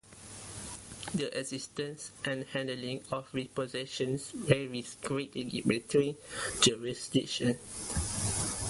The existence and handling of repossessions varies greatly between jurisdictions.